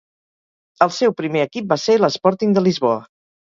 El seu primer equip va ser l'Sporting de Lisboa.